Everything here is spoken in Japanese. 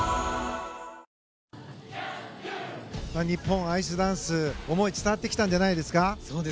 日本、アイスダンス思いが伝わってきたんじゃないですか。